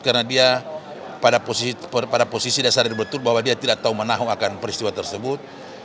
karena dia pada posisi dasar yang betul bahwa dia tidak tahu menahukan peristiwa tersebut